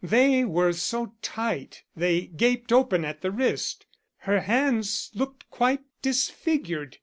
They were so tight they gaped open at the wrist. Her hands looked quite disfigured.